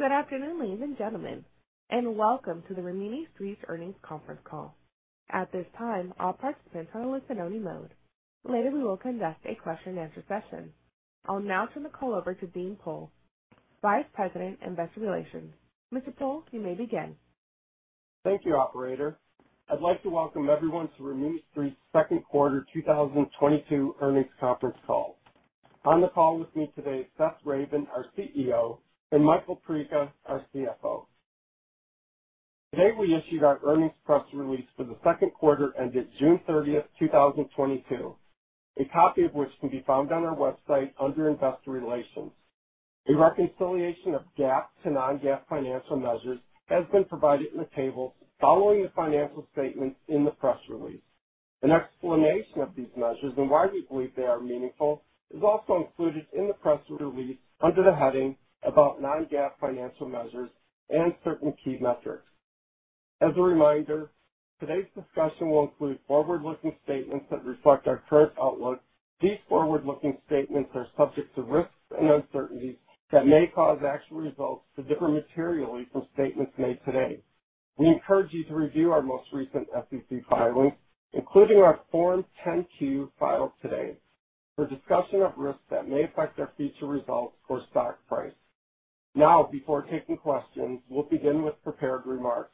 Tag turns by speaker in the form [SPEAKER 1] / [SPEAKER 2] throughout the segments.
[SPEAKER 1] Good afternoon, ladies and gentlemen, and welcome to the Rimini Street's Earnings Conference Call. At this time, all participants are in listen-only mode. Later, we will conduct a question-and-answer session. I'll now turn the call over to Dean Pohl, Vice President, Investor Relations. Mr. Pohl, you may begin.
[SPEAKER 2] Thank you operator. I'd like to welcome everyone to Rimini Street's second quarter 2022 earnings conference call. On the call with me today is Seth Ravin, our CEO, and Michael Perica, our CFO. Today, we issued our earnings press release for the second quarter ended June 30, 2022. A copy of which can be found on our website under Investor Relations. A reconciliation of GAAP to non-GAAP financial measures has been provided in the table following the financial statements in the press release. An explanation of these measures and why we believe they are meaningful is also included in the press release under the heading About Non-GAAP Financial Measures and Certain Key Metrics. As a reminder, today's discussion will include forward-looking statements that reflect our current outlook. These forward-looking statements are subject to risks and uncertainties that may cause actual results to differ materially from statements made today. We encourage you to review our most recent SEC filings, including our Form 10-Q filed today for discussion of risks that may affect our future results or stock price. Now, before taking questions, we'll begin with prepared remarks.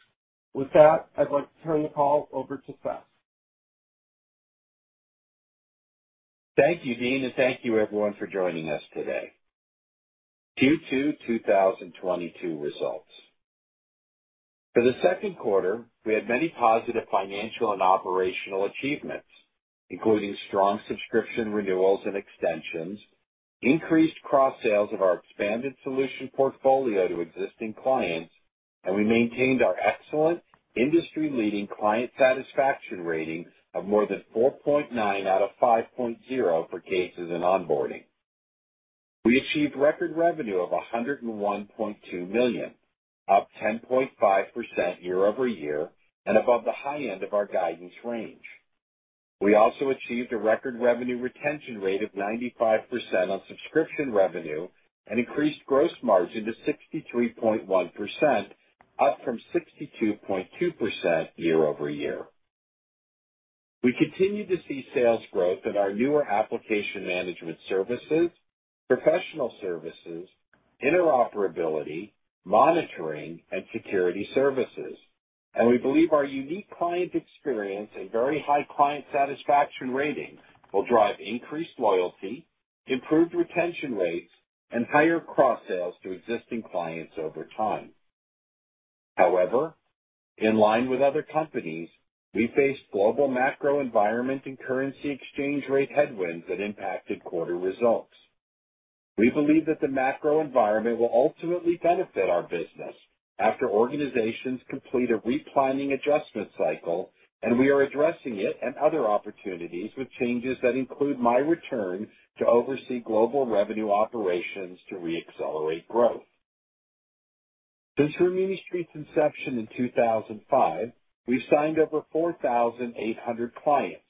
[SPEAKER 2] With that, I'd like to turn the call over to Seth.
[SPEAKER 3] Thank you Dean and thank you everyone for joining us today. Q2 2022 results. For the second quarter, we had many positive financial and operational achievements, including strong subscription renewals and extensions, increased cross-sales of our expanded solution portfolio to existing clients, and we maintained our excellent industry-leading client satisfaction rating of more than 4.9 out of 5.0 for cases in onboarding. We achieved record revenue of $101.2 million, up 10.5% year-over-year and above the high end of our guidance range. We also achieved a record revenue retention rate of 95% on subscription revenue and increased gross margin to 63.1%, up from 62.2% year-over-year. We continue to see sales growth in our newer application management services, professional services, interoperability, monitoring, and security services. We believe our unique client experience and very high client satisfaction ratings will drive increased loyalty, improved retention rates, and higher cross sales to existing clients over time. However, in line with other companies, we faced global macro environment and currency exchange rate headwinds that impacted quarter results. We believe that the macro environment will ultimately benefit our business after organizations complete a replanning adjustment cycle, and we are addressing it and other opportunities with changes that include my return to oversee global revenue operations to re-accelerate growth. Since Rimini Street's inception in 2005, we've signed over 4,800 clients,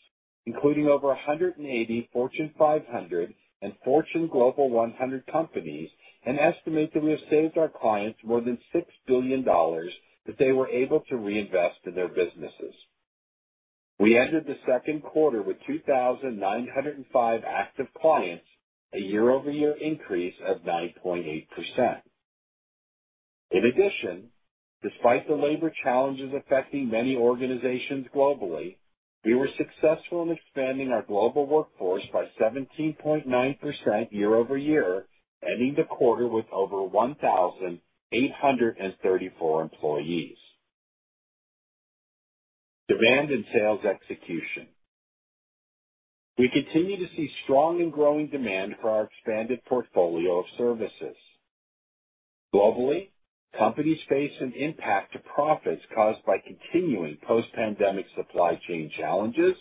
[SPEAKER 3] including over 180 Fortune 500 and Fortune Global 100 companies, and estimate that we have saved our clients more than $6 billion that they were able to reinvest in their businesses. We ended the second quarter with 2,905 active clients, a year-over-year increase of 9.8%. In addition, despite the labor challenges affecting many organizations globally, we were successful in expanding our global workforce by 17.9% year-over-year, ending the quarter with over 1,834 employees. Demand and sales execution. We continue to see strong and growing demand for our expanded portfolio of services. Globally, companies face an impact to profits caused by continuing post-pandemic supply chain challenges,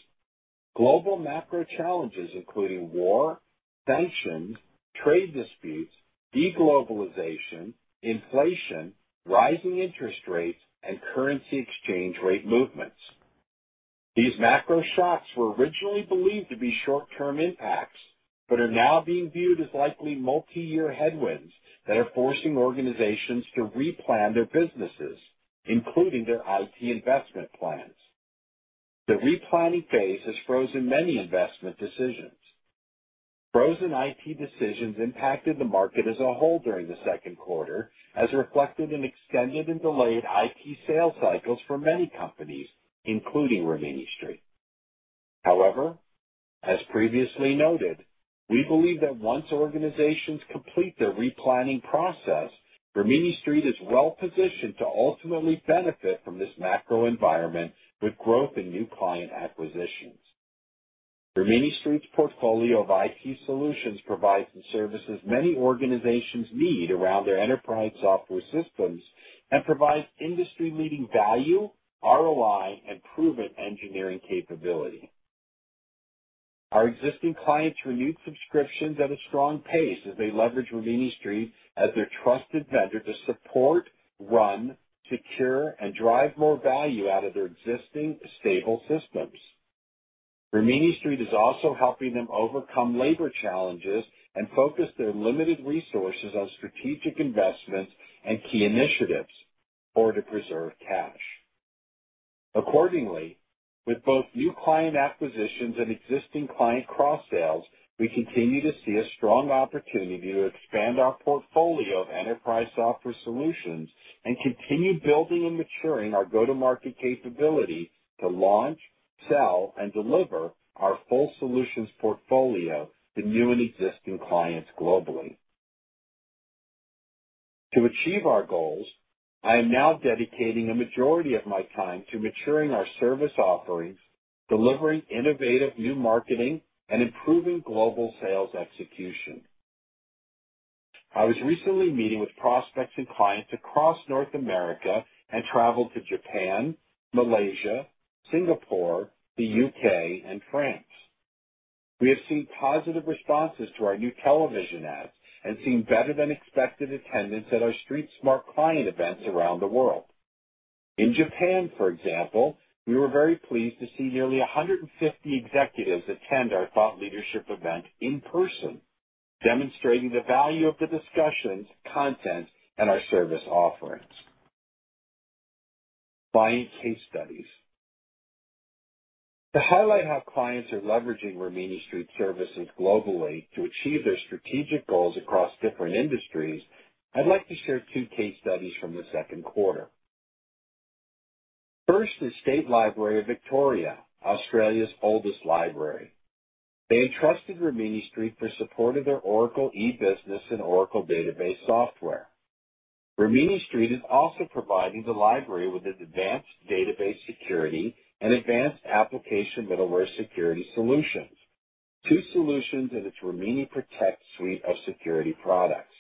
[SPEAKER 3] global macro challenges including war, sanctions, trade disputes, de-globalization, inflation, rising interest rates, and currency exchange rate movements. These macro shocks were originally believed to be short-term impacts, but are now being viewed as likely multi-year headwinds that are forcing organizations to replan their businesses, including their IT investment plans. The replanning phase has frozen many investment decisions. Frozen IT decisions impacted the market as a whole during the second quarter as reflected in extended and delayed IT sales cycles for many companies, including Rimini Street. However, as previously noted, we believe that once organizations complete their replanning process, Rimini Street is well positioned to ultimately benefit from this macro environment with growth in new client acquisitions. Rimini Street's portfolio of IT solutions provides the services many organizations need around their enterprise software systems and provides industry-leading value, ROI, and proven engineering capability. Our existing clients renewed subscriptions at a strong pace as they leverage Rimini Street as their trusted vendor to support, run, secure, and drive more value out of their existing stable systems. Rimini Street is also helping them overcome labor challenges and focus their limited resources on strategic investments and key initiatives, or to preserve cash. Accordingly, with both new client acquisitions and existing client cross-sales, we continue to see a strong opportunity to expand our portfolio of enterprise software solutions and continue building and maturing our go-to-market capability to launch, sell, and deliver our full solutions portfolio to new and existing clients globally. To achieve our goals, I am now dedicating a majority of my time to maturing our service offerings, delivering innovative new marketing, and improving global sales execution. I was recently meeting with prospects and clients across North America and traveled to Japan, Malaysia, Singapore, the U.K., and France. We have seen positive responses to our new television ads and seen better than expected attendance at our Street Smart client events around the world. In Japan, for example, we were very pleased to see nearly 150 executives attend our thought leadership event in person, demonstrating the value of the discussions, content, and our service offerings. Client case studies. To highlight how clients are leveraging Rimini Street services globally to achieve their strategic goals across different industries, I'd like to share two case studies from the second quarter. First is State Library Victoria, Australia's oldest library. They entrusted Rimini Street for support of their Oracle E-Business and Oracle Database software. Rimini Street is also providing the library with its Advanced Database Security and Advanced Application Middleware Security solutions. Two solutions in its Rimini Protect suite of security products.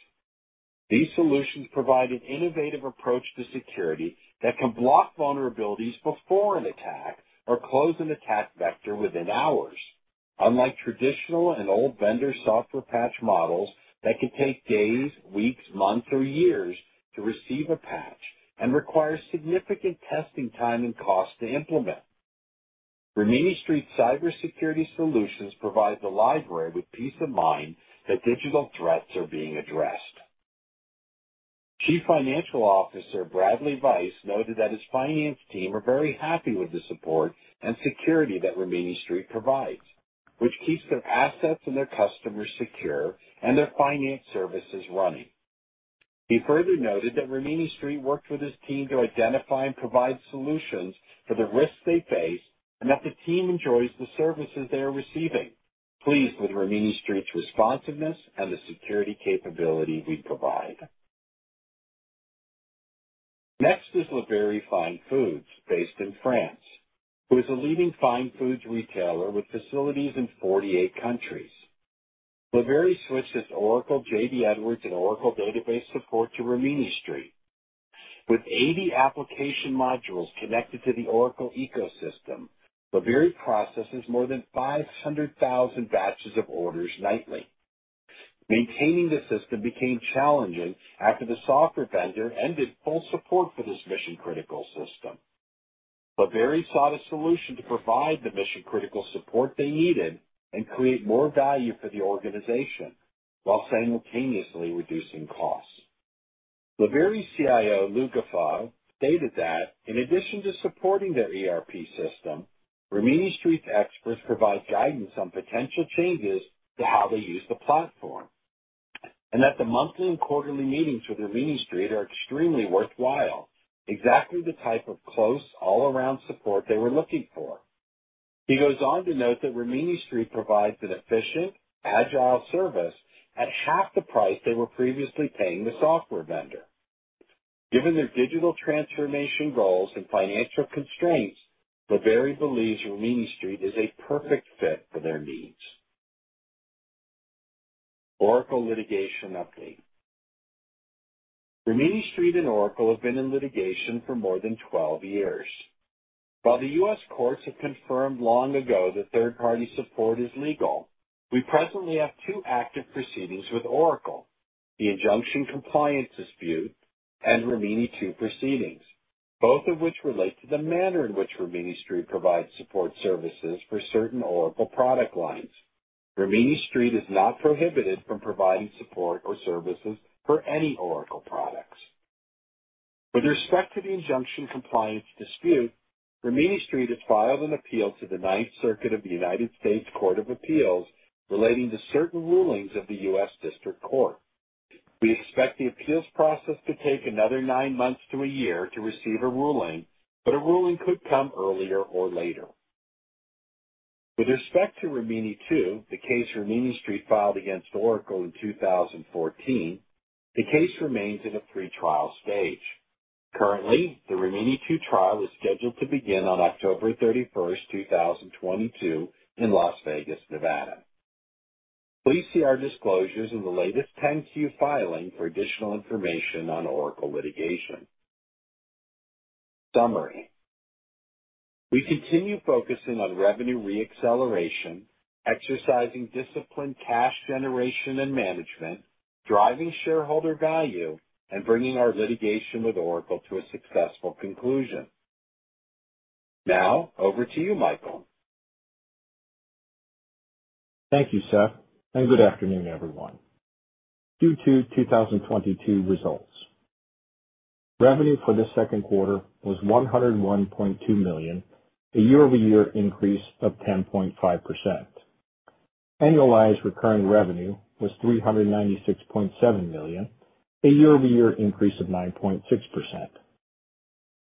[SPEAKER 3] These solutions provide an innovative approach to security that can block vulnerabilities before an attack or close an attack vector within hours, unlike traditional and old vendor software patch models that could take days, weeks, months, or years to receive a patch and require significant testing time and cost to implement. Rimini Street cybersecurity solutions provide the library with peace of mind that digital threats are being addressed. Chief Financial Officer Bradley Vice noted that his finance team are very happy with the support and security that Rimini Street provides, which keeps their assets and their customers secure and their finance services running. He further noted that Rimini Street worked with his team to identify and provide solutions for the risks they face, and that the team enjoys the services they are receiving, pleased with Rimini Street's responsiveness and the security capability we provide. Next is Labeyrie Fine Foods, based in France, who is a leading fine foods retailer with facilities in 48 countries. Labeyrie Fine Foods switched its Oracle JD Edwards and Oracle Database support to Rimini Street. With 80 application modules connected to the Oracle ecosystem, Labeyrie Fine Foods processes more than 500,000 batches of orders nightly. Maintaining the system became challenging after the software vendor ended full support for this mission-critical system. Labeyrie Fine Foods sought a solution to provide the mission-critical support they needed and create more value for the organization while simultaneously reducing costs. Labeyrie Fine Foods CIO Louis Goffaux stated that in addition to supporting their ERP system, Rimini Street's experts provide guidance on potential changes to how they use the platform, and that the monthly and quarterly meetings with Rimini Street are extremely worthwhile. Exactly the type of close all-around support they were looking for. He goes on to note that Rimini Street provides an efficient, agile service at half the price they were previously paying the software vendor. Given their digital transformation goals and financial constraints, Labeyrie believes Rimini Street is a perfect fit for their needs. Oracle litigation update. Rimini Street and Oracle have been in litigation for more than 12 years. While the U.S. courts have confirmed long ago that third-party support is legal, we presently have two active proceedings with Oracle. The injunction compliance dispute and Rimini II proceedings, both of which relate to the manner in which Rimini Street provides support services for certain Oracle product lines. Rimini Street is not prohibited from providing support or services for any Oracle products. With respect to the injunction compliance dispute, Rimini Street has filed an appeal to the Ninth Circuit of the United States Court of Appeals relating to certain rulings of the U.S. District Court. We expect the appeals process to take another nine months to a year to receive a ruling, but a ruling could come earlier or later. With respect to Rimini II, the case Rimini Street filed against Oracle in 2014, the case remains in a pre-trial stage. Currently, the Rimini II trial is scheduled to begin on October 31, 2022 in Las Vegas, Nevada. Please see our disclosures in the latest 10-Q filing for additional information on Oracle litigation. Summary. We continue focusing on revenue re-acceleration, exercising disciplined cash generation and management, driving shareholder value, and bringing our litigation with Oracle to a successful conclusion. Now over to you, Michael.
[SPEAKER 4] Thank you Seth and good afternoon everyone. Q2 2022 results. Revenue for the second quarter was $101.2 million, a year-over-year increase of 10.5%. Annualized recurring revenue was $396.7 million, a year-over-year increase of 9.6%.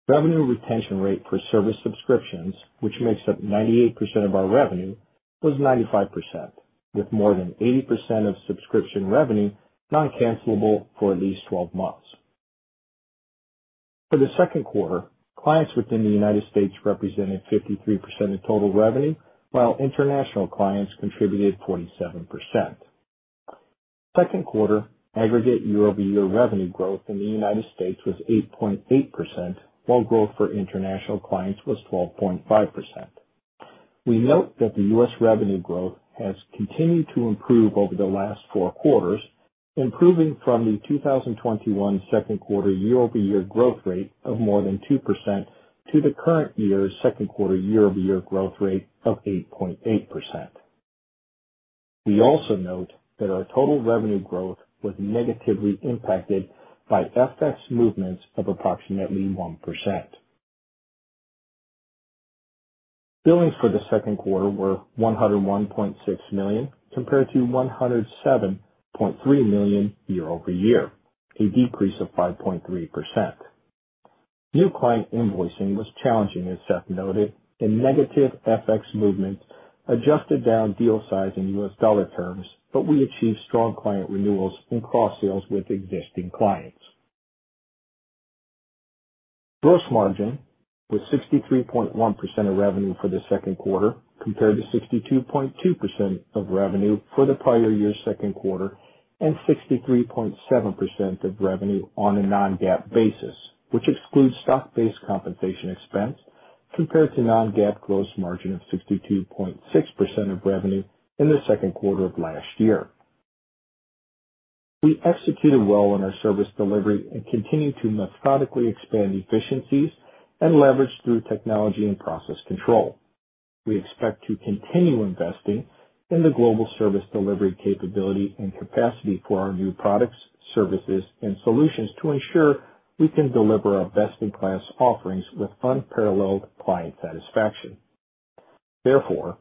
[SPEAKER 4] Revenue retention rate for service subscriptions, which makes up 98% of our revenue, was 95%, with more than 80% of subscription revenue non-cancellable for at least twelve months. For the second quarter, clients within the United States represented 53% of total revenue, while international clients contributed 47%. Second quarter aggregate year-over-year revenue growth in the United States was 8.8%, while growth for international clients was 12.5%. We note that the U.S. revenue growth has continued to improve over the last four quarters, improving from the 2021 second quarter year-over-year growth rate of more than 2% to the current year's second quarter year-over-year growth rate of 8.8%. We also note that our total revenue growth was negatively impacted by FX movements of approximately 1%. Billings for the second quarter were $101.6 million compared to $107.3 million year-over-year, a decrease of 5.3%. New client invoicing was challenging, as Seth noted, and negative FX movements adjusted down deal size in US dollar terms. We achieved strong client renewals and cross sales with existing clients. Gross margin was 63.1% of revenue for the second quarter, compared to 62.2% of revenue for the prior year's second quarter, and 63.7% of revenue on a non-GAAP basis, which excludes stock-based compensation expense compared to non-GAAP gross margin of 62.6% of revenue in the second quarter of last year. We executed well on our service delivery and continued to methodically expand efficiencies and leverage through technology and process control. We expect to continue investing in the global service delivery capability and capacity for our new products, services and solutions to ensure we can deliver our best in class offerings with unparalleled client satisfaction. Therefore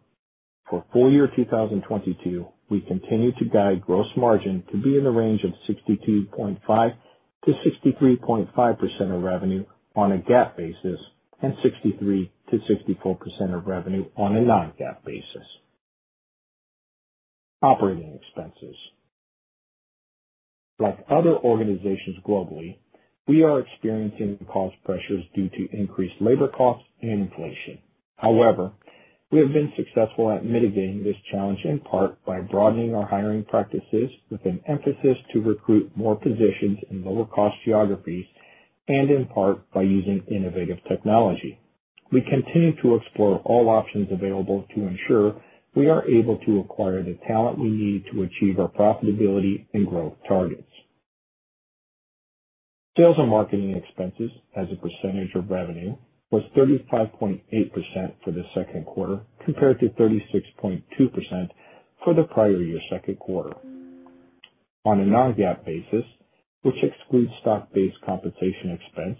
[SPEAKER 4] for full year 2022 we continue to guide gross margin to be in the range of 62.5%-63.5% of revenue on a GAAP basis, and 63%-64% of revenue on a non-GAAP basis. Operating expenses. Like other organizations globally, we are experiencing cost pressures due to increased labor costs and inflation. However, we have been successful at mitigating this challenge, in part by broadening our hiring practices with an emphasis to recruit more positions in lower cost geographies and in part by using innovative technology. We continue to explore all options available to ensure we are able to acquire the talent we need to achieve our profitability and growth targets. Sales and marketing expenses as a percentage of revenue was 35.8% for the second quarter, compared to 36.2% for the prior year second quarter. On a non-GAAP basis, which excludes stock-based compensation expense,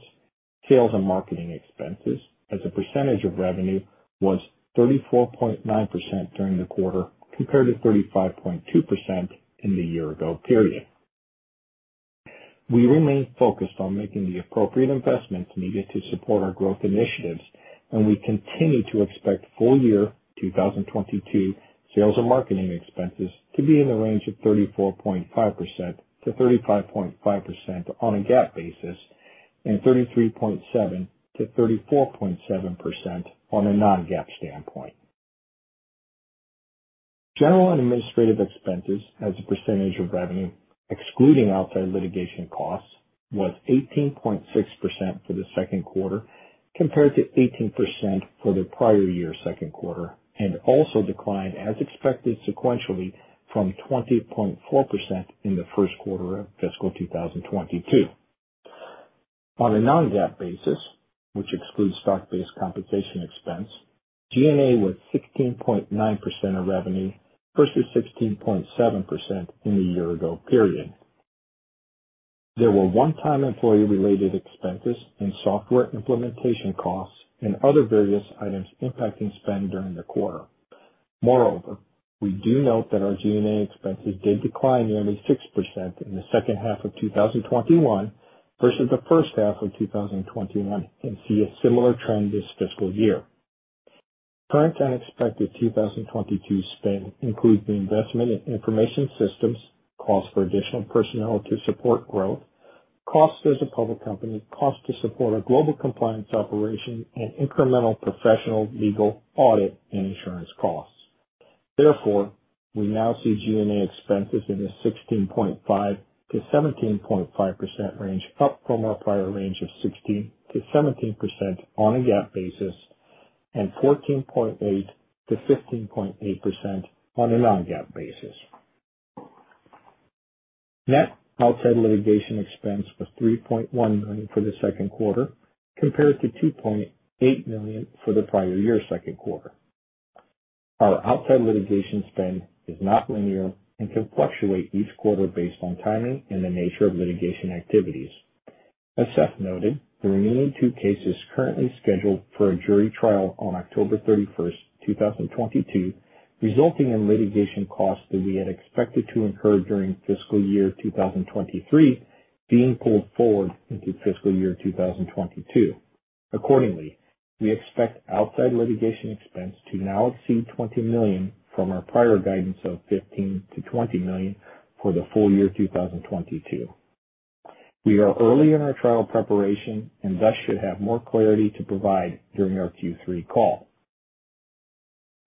[SPEAKER 4] sales and marketing expenses as a percentage of revenue was 34.9% during the quarter, compared to 35.2% in the year ago period. We remain focused on making the appropriate investments needed to support our growth initiatives, and we continue to expect full year 2022 sales and marketing expenses to be in the range of 34.5%-35.5% on a GAAP basis, and 33.7%-34.7% on a non-GAAP standpoint. General and administrative expenses as a percentage of revenue, excluding outside litigation costs, was 18.6% for the second quarter compared to 18% for the prior year second quarter, and also declined as expected sequentially from 20.4% in the first quarter of fiscal 2022. On a non-GAAP basis, which excludes stock-based compensation expense, G&A was 16.9% of revenue versus 16.7% in the year ago period. There were one-time employee-related expenses and software implementation costs and other various items impacting spend during the quarter. Moreover, we do note that our G&A expenses did decline nearly 6% in the second half of 2021 versus the first half of 2021, and see a similar trend this fiscal year. Current and expected 2022 spend includes the investment in information systems, costs for additional personnel to support growth, costs as a public company, costs to support our global compliance operation, and incremental professional legal audit and insurance costs. Therefore, we now see G&A expenses in the 16.5%-17.5% range, up from our prior range of 16%-17% on a GAAP basis and 14.8%-15.8% on a non-GAAP basis. Net outside litigation expense was $3.1 million for the second quarter, compared to $2.8 million for the prior year second quarter. Our outside litigation spend is not linear and can fluctuate each quarter based on timing and the nature of litigation activities. As Seth noted, the remaining two cases currently scheduled for a jury trial on October 31, 2022, resulting in litigation costs that we had expected to incur during fiscal year 2023 being pulled forward into fiscal year 2022. Accordingly, we expect outside litigation expense to now exceed $20 million from our prior guidance of $15 million-$20 million for the full year 2022. We are early in our trial preparation and thus should have more clarity to provide during our Q3 call.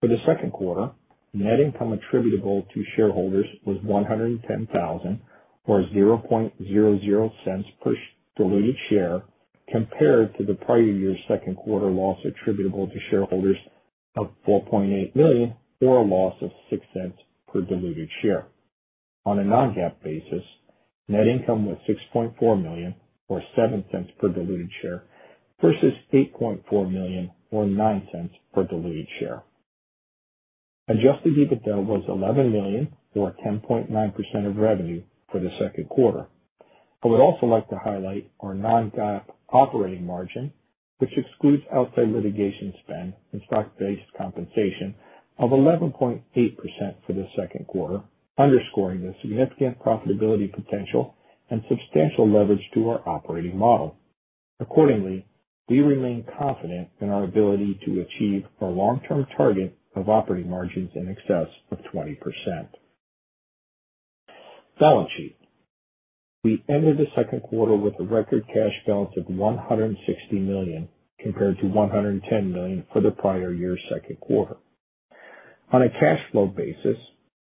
[SPEAKER 4] For the second quarter, net income attributable to shareholders was $110,000, or $0.00 per diluted share, compared to the prior year second quarter loss attributable to shareholders of $4.8 million or a loss of $0.06 per diluted share. On a non-GAAP basis, net income was $6.4 million or $0.07 per diluted share versus $8.4 million or $0.09 per diluted share. Adjusted EBITDA was $11 million, or 10.9% of revenue for the second quarter. I would also like to highlight our non-GAAP operating margin, which excludes outside litigation spend and stock-based compensation of 11.8% for the second quarter, underscoring the significant profitability potential and substantial leverage to our operating model. Accordingly, we remain confident in our ability to achieve our long-term target of operating margins in excess of 20%. Balance sheet. We ended the second quarter with a record cash balance of $160 million, compared to $110 million for the prior year's second quarter. On a cash flow basis,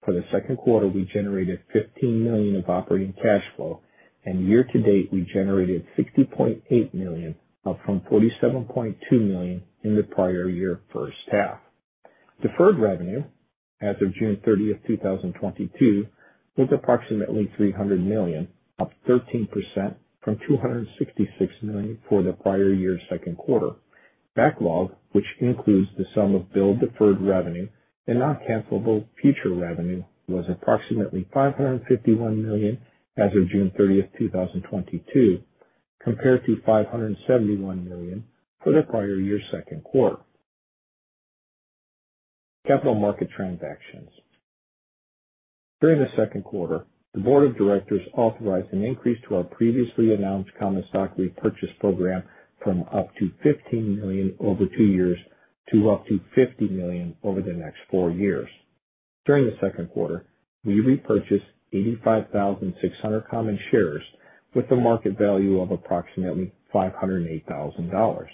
[SPEAKER 4] for the second quarter, we generated $15 million of operating cash flow, and year to date, we generated $60.8 million, up from $47.2 million in the prior year first half. Deferred revenue as of June 30, 2022 was approximately $300 million, up 13% from $266 million for the prior year's second quarter. Backlog, which includes the sum of billed deferred revenue and non-cancelable future revenue, was approximately $551 million as of June 30, 2022, compared to $571 million for the prior year's second quarter. Capital market transactions. During the second quarter, the board of directors authorized an increase to our previously announced common stock repurchase program from up to $15 million over two years to up to $50 million over the next four years. During the second quarter, we repurchased 85,600 common shares with a market value of approximately $508,000.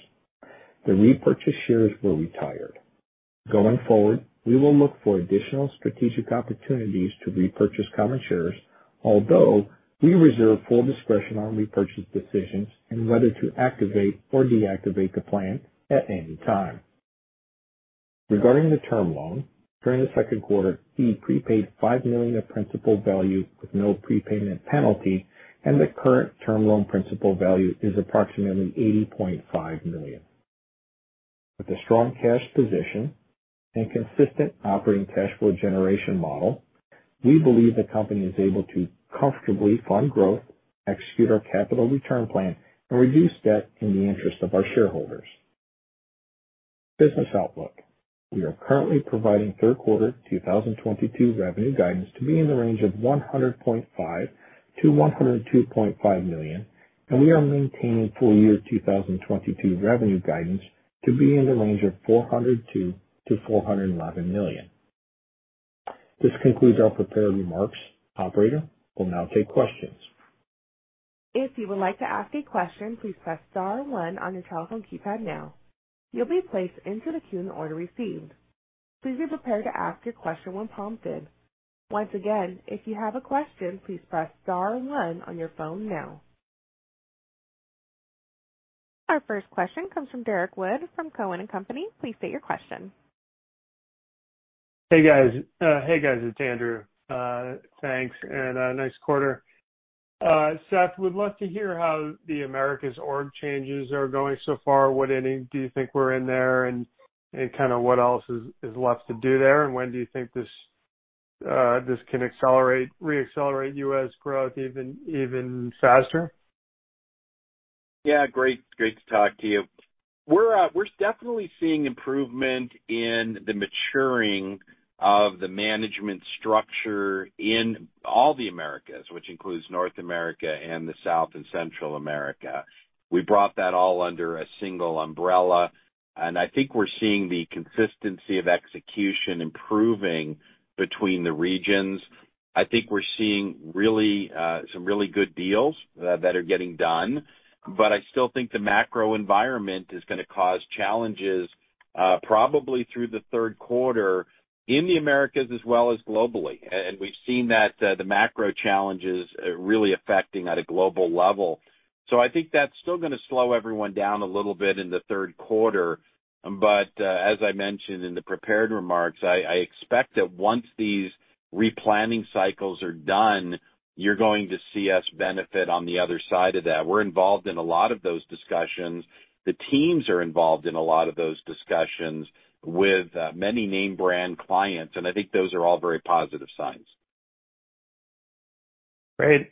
[SPEAKER 4] The repurchased shares were retired. Going forward, we will look for additional strategic opportunities to repurchase common shares, although we reserve full discretion on repurchase decisions and whether to activate or deactivate the plan at any time. Regarding the term loan, during the second quarter, we prepaid $5 million of principal value with no prepayment penalty, and the current term loan principal value is approximately $80.5 million. With a strong cash position and consistent operating cash flow generation model, we believe the company is able to comfortably fund growth, execute our capital return plan, and reduce debt in the interest of our shareholders. Business outlook. We are currently providing third quarter 2022 revenue guidance to be in the range of $100.5 million-$102.5 million, and we are maintaining full year 2022 revenue guidance to be in the range of $402 million-$411 million. This concludes our prepared remarks. Operator, we'll now take questions.
[SPEAKER 1] If you would like to ask a question, please press star and one on your telephone keypad now. You'll be placed into the queue in the order received. Please be prepared to ask your question when prompted. Once again, if you have a question, please press star and one on your phone now. Our first question comes from Derrick Wood from Cowen and Company. Please state your question.
[SPEAKER 5] Hey guys it's Andrew. Thanks and nice quarter. Seth we'd love to hear how the Americas org changes are going so far. What innings do you think we're in there and kind of what else is left to do there? When do you think this can accelerate, re-accelerate U.S. growth even faster?
[SPEAKER 3] Yeah. Great to talk to you. We're definitely seeing improvement in the maturing of the management structure in all the Americas, which includes North America and South and Central America. We brought that all under a single umbrella, and I think we're seeing the consistency of execution improving between the regions. I think we're seeing really, some really good deals that are getting done. I still think the macro environment is gonna cause challenges, probably through the third quarter in the Americas as well as globally. We've seen that the macro challenges really affecting at a global level. I think that's still gonna slow everyone down a little bit in the third quarter. As I mentioned in the prepared remarks, I expect that once these replanning cycles are done, you're going to see us benefit on the other side of that. We're involved in a lot of those discussions. The teams are involved in a lot of those discussions with many name brand clients, and I think those are all very positive signs.
[SPEAKER 5] Great.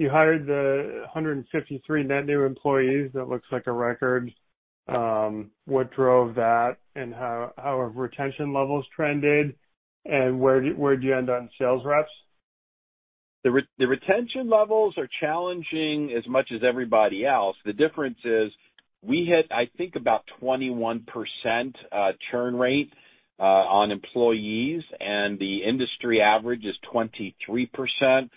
[SPEAKER 5] You hired 153 net new employees. That looks like a record. What drove that and how have retention levels trended, and where'd you end on sales reps?
[SPEAKER 3] The retention levels are challenging as much as everybody else. The difference is we had, I think, about 21% churn rate on employees, and the industry average is 23%.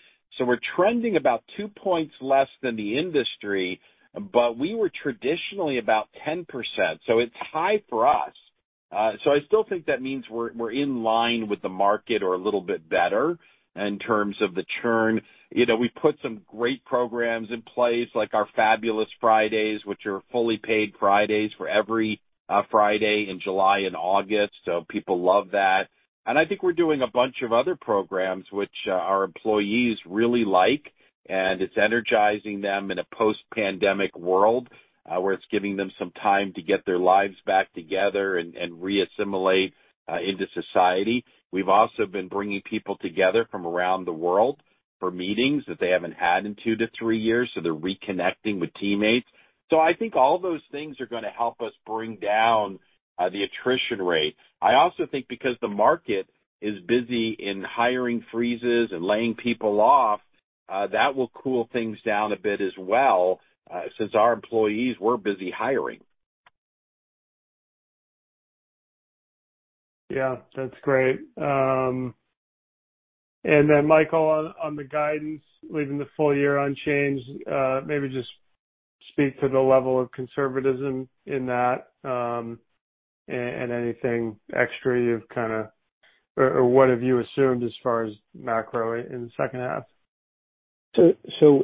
[SPEAKER 3] We're trending about two points less than the industry, but we were traditionally about 10%, so it's high for us. I still think that means we're in line with the market or a little bit better in terms of the churn. You know, we've put some great programs in place, like our Fabulous Fridays, which are fully paid Fridays for every Friday in July and August, so people love that. I think we're doing a bunch of other programs which, our employees really like, and it's energizing them in a post-pandemic world, where it's giving them some time to get their lives back together and reassimilate into society. We've also been bringing people together from around the world for meetings that they haven't had in two to three years, so they're reconnecting with teammates. I think all those things are gonna help us bring down the attrition rate. I also think because the market is busy in hiring freezes and laying people off, that will cool things down a bit as well, since our employees were busy hiring.
[SPEAKER 5] Yeah, that's great. Then Michael, on the guidance, leaving the full year unchanged, maybe just speak to the level of conservatism in that, and anything extra you've kinda, or what have you assumed as far as macro in the second half?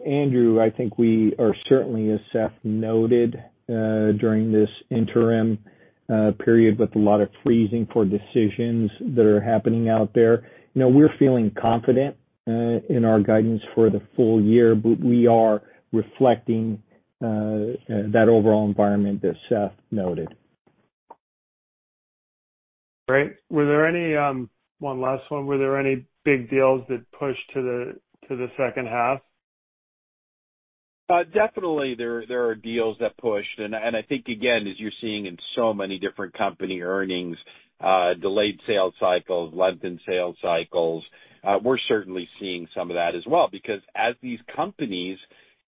[SPEAKER 4] Andrew I think we are certainly as Seth noted during this interim period with a lot of freezing for decisions that are happening out there. You know, we're feeling confident in our guidance for the full year, but we are reflecting that overall environment that Seth noted.
[SPEAKER 5] Great. One last one. Were there any big deals that pushed to the second half?
[SPEAKER 3] Definitely there are deals that pushed, and I think again, as you're seeing in so many different company earnings, delayed sales cycles, lengthened sales cycles, we're certainly seeing some of that as well. Because as these companies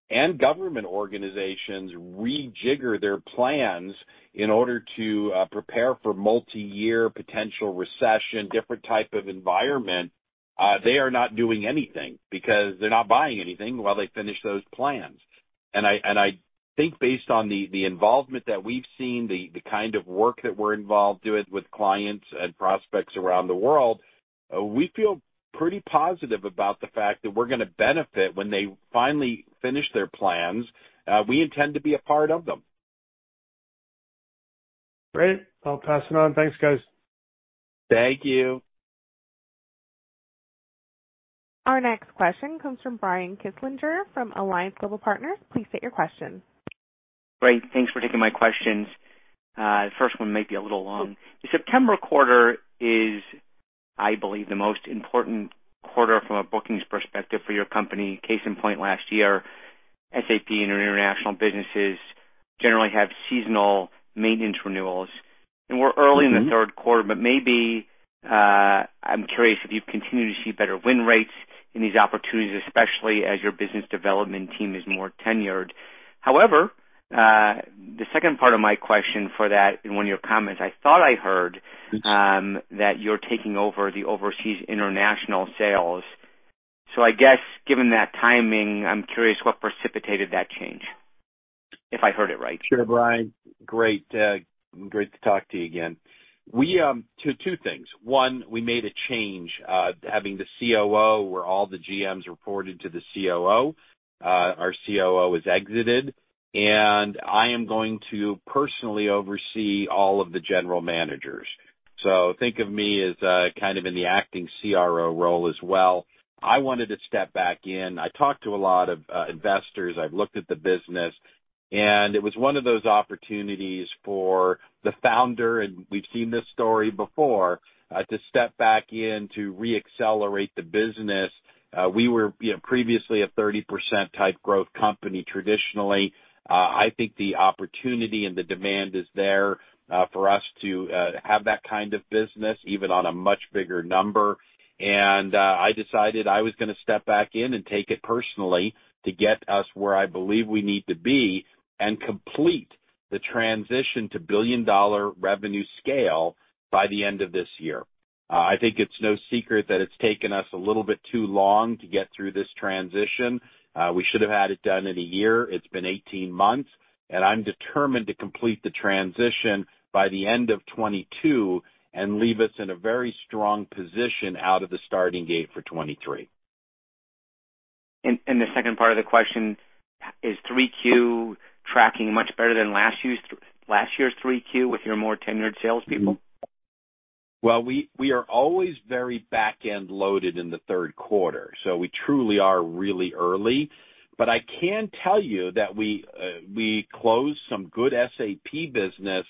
[SPEAKER 3] and government organizations rejigger their plans in order to prepare for multiyear potential recession, different type of environment, they are not doing anything because they're not buying anything while they finish those plans. I think based on the involvement that we've seen, the kind of work that we're involved doing with clients and prospects around the world, we feel pretty positive about the fact that we're gonna benefit when they finally finish their plans. We intend to be a part of them.
[SPEAKER 5] Great. I'll pass it on. Thanks, guys.
[SPEAKER 3] Thank you.
[SPEAKER 1] Our next question comes from Brian Kinstlinger from Alliance Global Partners. Please state your question.
[SPEAKER 6] Great. Thanks for taking my questions. The first one may be a little long. The September quarter is, I believe, the most important quarter from a bookings perspective for your company. Case in point, last year, SAP and your international businesses generally have seasonal maintenance renewals. We're early-
[SPEAKER 3] Mm-hmm.
[SPEAKER 6] -in the third quarter, but maybe, I'm curious if you've continued to see better win rates in these opportunities, especially as your business development team is more tenured. However, the second part of my question for that, in one of your comments, I thought I heard.
[SPEAKER 3] Yes.
[SPEAKER 6] that you're taking over the overseas international sales. I guess given that timing, I'm curious what precipitated that change, if I heard it right.
[SPEAKER 3] Sure Brian great to talk to you again. We two things. One, we made a change, having the COO where all the GMs reported to the COO. Our COO has exited, and I am going to personally oversee all of the general managers. Think of me as kind of in the acting CRO role as well. I wanted to step back in. I talked to a lot of investors. I've looked at the business, and it was one of those opportunities for the founder, and we've seen this story before to step back in to re-accelerate the business. We were, you know, previously a 30% type growth company traditionally. I think the opportunity and the demand is there for us to have that kind of business even on a much bigger number. I decided I was gonna step back in and take it personally to get us where I believe we need to be and complete the transition to billion-dollar revenue scale by the end of this year. I think it's no secret that it's taken us a little bit too long to get through this transition. We should have had it done in a year. It's been 18 months, and I'm determined to complete the transition by the end of 2022 and leave us in a very strong position out of the starting gate for 2023.
[SPEAKER 6] The second part of the question is 3Q tracking much better than last year's 3Q with your more tenured salespeople?
[SPEAKER 3] We are always very back-end loaded in the third quarter, so we truly are really early. I can tell you that we closed some good SAP business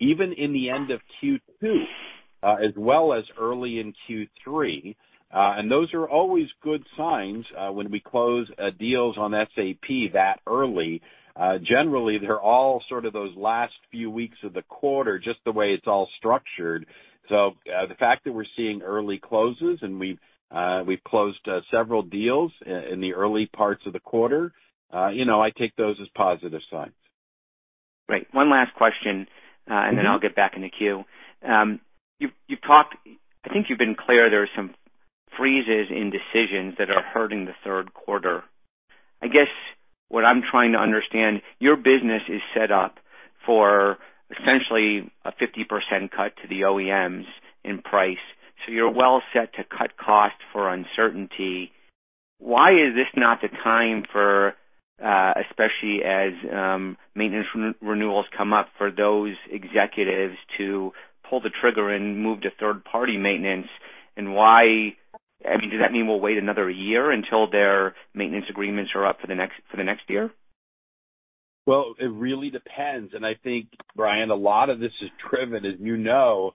[SPEAKER 3] even in the end of Q2, as well as early in Q3. Those are always good signs when we close deals on SAP that early. Generally, they're all sort of those last few weeks of the quarter, just the way it's all structured. The fact that we're seeing early closes and we've closed several deals in the early parts of the quarter, you know, I take those as positive signs.
[SPEAKER 6] Great. One last question.
[SPEAKER 3] Mm-hmm.
[SPEAKER 6] I'll get back in the queue. You've talked. I think you've been clear there are some freezes in decisions that are hurting the third quarter. I guess what I'm trying to understand, your business is set up for essentially a 50% cut to the OEMs in price, so you're well set to cut cost for uncertainty. Why is this not the time for, especially as, maintenance re-renewals come up for those executives to pull the trigger and move to third-party maintenance? Does that mean we'll wait another year until their maintenance agreements are up for the next year?
[SPEAKER 3] Well it really depends. I think Brian, a lot of this is driven, as you know,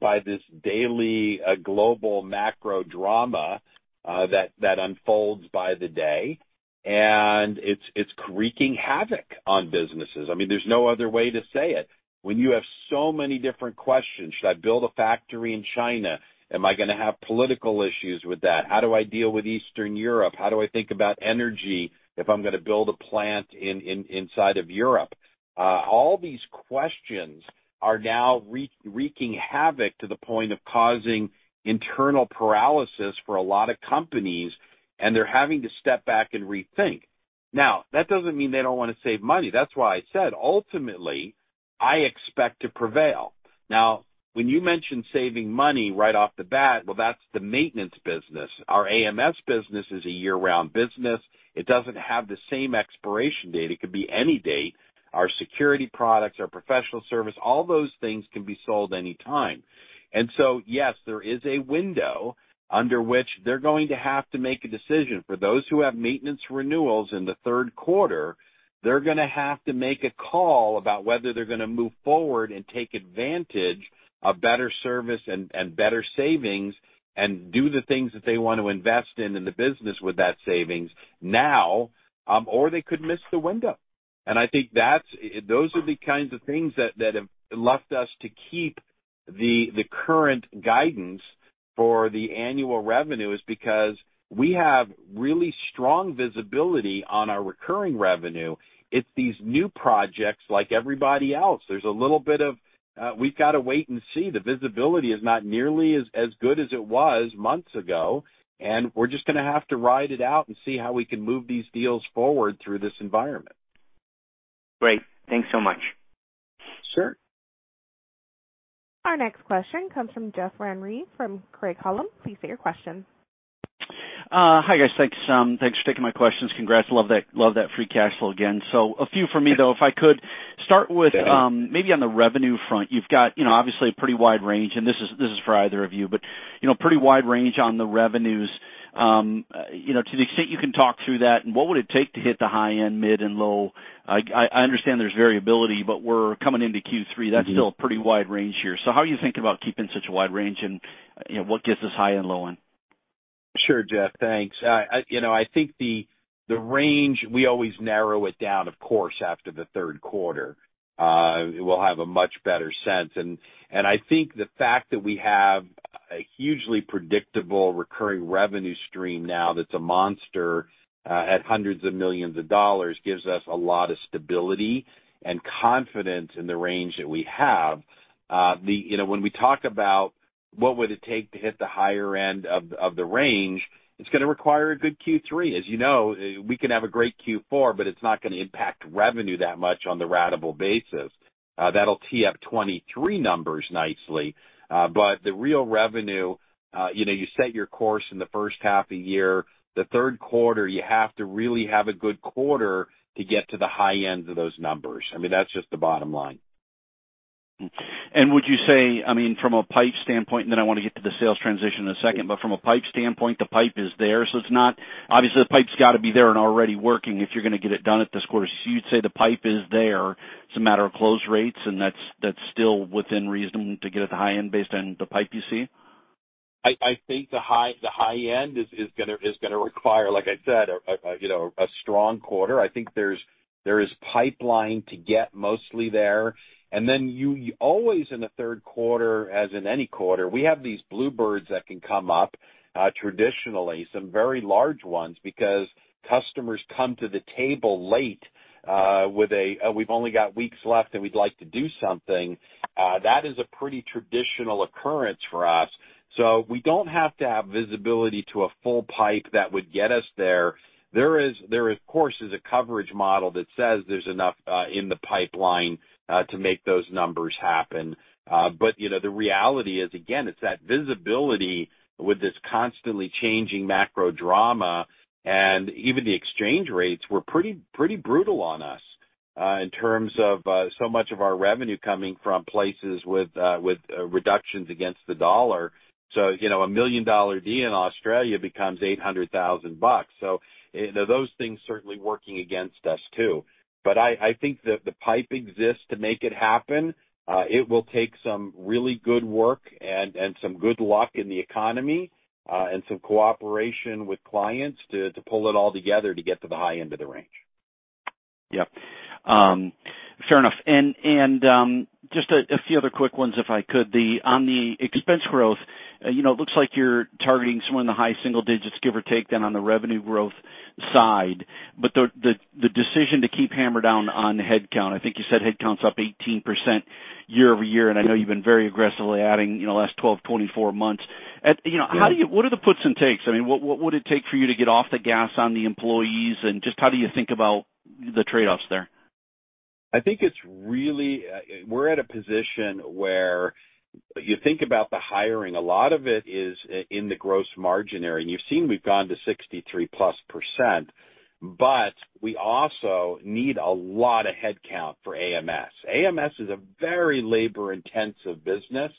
[SPEAKER 3] by this daily global macro drama, that unfolds by the day. It's wreaking havoc on businesses. I mean, there's no other way to say it. When you have so many different questions, should I build a factory in China? Am I gonna have political issues with that? How do I deal with Eastern Europe? How do I think about energy if I'm gonna build a plant inside of Europe? All these questions are now wreaking havoc to the point of causing internal paralysis for a lot of companies, and they're having to step back and rethink. Now, that doesn't mean they don't wanna save money. That's why I said, ultimately, I expect to prevail. Now when you mention saving money right off the bat, well, that's the maintenance business. Our AMS business is a year-round business. It doesn't have the same expiration date. It could be any date. Our security products, our professional service, all those things can be sold any time. Yes, there is a window under which they're going to have to make a decision. For those who have maintenance renewals in the third quarter, they're gonna have to make a call about whether they're gonna move forward and take advantage of better service and better savings and do the things that they want to invest in the business with that savings now, or they could miss the window. I think those are the kinds of things that have left us to keep the current guidance for the annual revenues because we have really strong visibility on our recurring revenue. It's these new projects like everybody else. There's a little bit of. We've got to wait and see. The visibility is not nearly as good as it was months ago, and we're just gonna have to ride it out and see how we can move these deals forward through this environment.
[SPEAKER 6] Great thanks so much.
[SPEAKER 3] Sure.
[SPEAKER 1] Our next question comes from Jeff Van Rhee from Craig-Hallum. Please state your question.
[SPEAKER 7] Hi guys thanks for taking my questions. Congrats. Love that free cash flow again. A few for me, though, if I could start with maybe on the revenue front. You've got, you know, obviously a pretty wide range, and this is for either of you. You know, pretty wide range on the revenues. To the extent you can talk through that and what would it take to hit the high end, mid, and low. I understand there's variability, but we're coming into Q3.
[SPEAKER 3] Mm-hmm.
[SPEAKER 7] That's still a pretty wide range here. How are you thinking about keeping such a wide range and, you know, what gets this high and low end?
[SPEAKER 3] Sure Jeff thanks. You know, I think the range, we always narrow it down, of course, after the third quarter. We'll have a much better sense. I think the fact that we have a hugely predictable recurring revenue stream now that's a monster at $hundreds of millions gives us a lot of stability and confidence in the range that we have. You know, when we talk about what would it take to hit the higher end of the range, it's gonna require a good Q3. As you know, we can have a great Q4, but it's not gonna impact revenue that much on the ratable basis. That'll tee up 2023 numbers nicely. The real revenue, you know, you set your course in the first half of the year. The third quarter, you have to really have a good quarter to get to the high ends of those numbers. I mean, that's just the bottom line.
[SPEAKER 7] Would you say, I mean, from a pipe standpoint, and then I wanna get to the sales transition in a second, but from a pipe standpoint, the pipe is there. So it's not obviously, the pipe's gotta be there and already working if you're gonna get it done at this quarter. So you'd say the pipe is there, it's a matter of close rates, and that's still within reason to get at the high end based on the pipe you see?
[SPEAKER 3] I think the high end is gonna require, like I said, you know, a strong quarter. I think there is pipeline to get mostly there. Then you always in the third quarter, as in any quarter, we have these bluebirds that can come up, traditionally, some very large ones, because customers come to the table late, with a, we've only got weeks left and we'd like to do something, that is a pretty traditional occurrence for us. So we don't have to have visibility to a full pipe that would get us there. There of course is a coverage model that says there's enough in the pipeline to make those numbers happen. You know, the reality is, again, it's that visibility with this constantly changing macro drama, and even the exchange rates were pretty brutal on us, in terms of, so much of our revenue coming from places with reductions against the dollar. You know, a $1 million deal in Australia becomes $800,000. You know, those things certainly working against us too. I think that the pipe exists to make it happen. It will take some really good work and some good luck in the economy, and some cooperation with clients to pull it all together to get to the high end of the range.
[SPEAKER 7] Yeah. Fair enough. Just a few other quick ones, if I could. On the expense growth, you know, it looks like you're targeting somewhere in the high single digits, give or take, than on the revenue growth side. The decision to keep hammer down on headcount, I think you said headcount's up 18% year-over-year, and I know you've been very aggressively adding, you know, last 12, 24 months. You know-
[SPEAKER 3] Yeah.
[SPEAKER 7] What are the puts and takes? I mean, what would it take for you to get off the gas on the employees, and just how do you think about the trade-offs there?
[SPEAKER 3] I think it's really we're at a position where you think about the hiring, a lot of it is in the gross margin area. You've seen, we've gone to 63%+, but we also need a lot of headcount for AMS. AMS is a very labor-intensive business,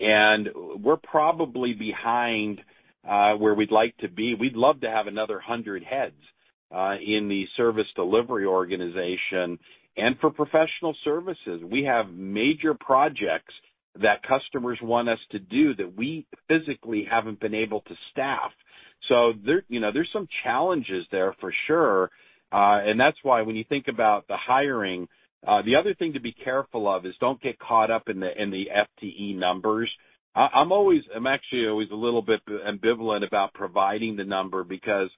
[SPEAKER 3] and we're probably behind where we'd like to be. We'd love to have another 100 heads in the service delivery organization. For professional services, we have major projects that customers want us to do that we physically haven't been able to staff. There, you know, there's some challenges there for sure. That's why when you think about the hiring, the other thing to be careful of is don't get caught up in the FTE numbers. I'm actually always a little bit ambivalent about providing the number because,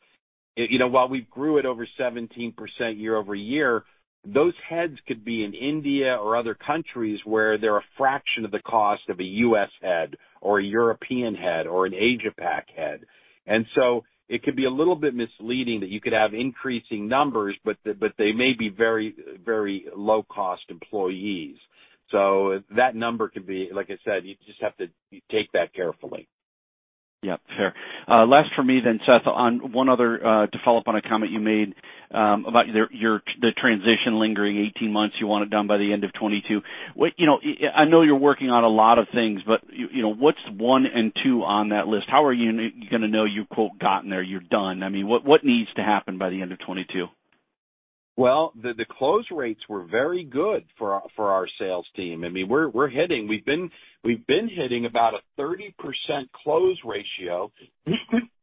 [SPEAKER 3] you know, while we grew it over 17% year-over-year, those heads could be in India or other countries where they're a fraction of the cost of a U.S. head or a European head or an Asia Pac head. It could be a little bit misleading that you could have increasing numbers, but they may be very low-cost employees. That number could be, like I said, you just have to take that carefully.
[SPEAKER 7] Yeah fair last for me then Seth, on one other, to follow up on a comment you made, about your the transition lingering 18 months, you want it done by the end of 2022. What, you know, I know you're working on a lot of things, but you know, what's one and two on that list? How are you gonna know you quote gotten there, you're done? I mean, what needs to happen by the end of 2022?
[SPEAKER 3] Well the close rates were very good for our sales team. I mean, we've been hitting about a 30% close ratio,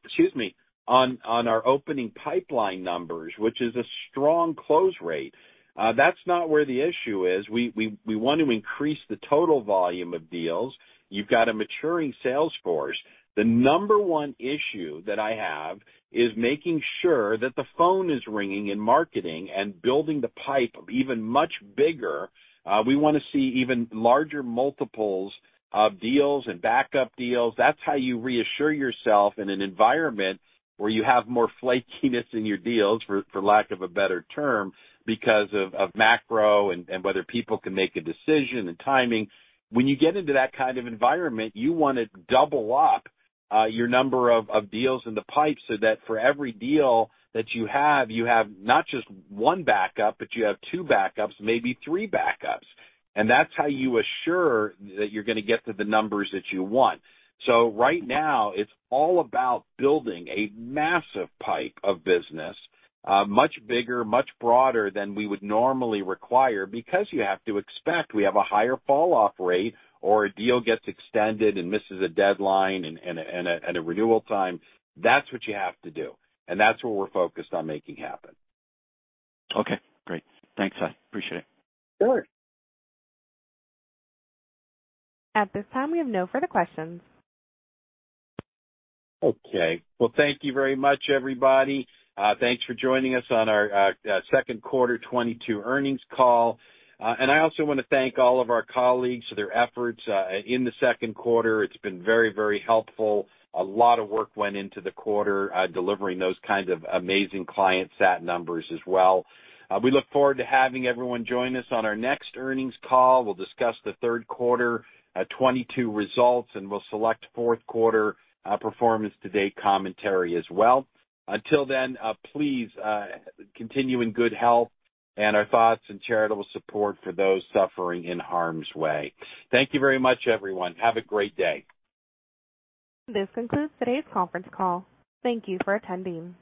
[SPEAKER 3] excuse me, on our opening pipeline numbers, which is a strong close rate. That's not where the issue is. We want to increase the total volume of deals. You've got a maturing sales force. The number one issue that I have is making sure that the phone is ringing in marketing and building the pipe even much bigger. We wanna see even larger multiples of deals and backup deals. That's how you reassure yourself in an environment where you have more flakiness in your deals, for lack of a better term, because of macro and whether people can make a decision and timing. When you get into that kind of environment, you wanna double up your number of deals in the pipe, so that for every deal that you have, you have not just one backup, but you have two backups, maybe three backups. That's how you assure that you're gonna get to the numbers that you want. Right now, it's all about building a massive pipe of business, much bigger, much broader than we would normally require because you have to expect we have a higher fall off rate or a deal gets extended and misses a deadline and a renewal time. That's what you have to do, and that's what we're focused on making happen.
[SPEAKER 7] Okay great thanks Seth. Appreciate it.
[SPEAKER 3] Sure.
[SPEAKER 1] At this time we have no further questions.
[SPEAKER 3] Okay well thank you very much everybody. Thanks for joining us on our second quarter 2022 earnings call. I also wanna thank all of our colleagues for their efforts in the second quarter. It's been very, very helpful. A lot of work went into the quarter, delivering those kinds of amazing client sat numbers as well. We look forward to having everyone join us on our next earnings call. We'll discuss the third quarter 2022 results, and we'll select fourth quarter performance to-date commentary as well. Until then, please continue in good health and our thoughts and charitable support for those suffering in harm's way. Thank you very much, everyone. Have a great day.
[SPEAKER 1] This concludes today's conference call. Thank you for attending.